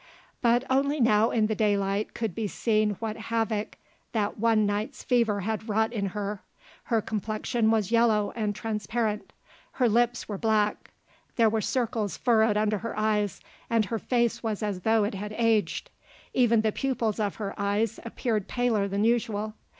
But only now in the daylight could be seen what havoc that one night's fever had wrought in her. Her complexion was yellow and transparent; her lips were black; there were circles furrowed under her eyes, and her face was as though it had aged. Even the pupils of her eyes appeared paler than usual.